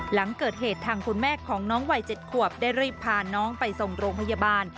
หลังเกิดเหตุทางคุณแม่ของน้องวัย๗ขวบได้รีบพาน้องไปส่งโรงพยาบาล